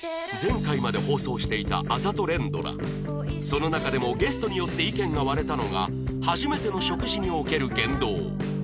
その中でもゲストによって意見が割れたのが初めての食事における言動